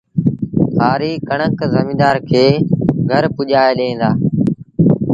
هآريٚ ڪڻڪ زميݩدآر کي گھر پُڄآئي ڏي دو